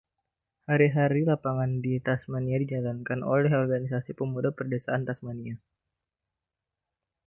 Hari-hari Lapangan di Tasmania dijalankan oleh organisasi Pemuda Pedesaan Tasmania.